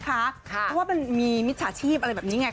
เพราะว่ามันมีมิจฉาชีพอะไรแบบนี้ไง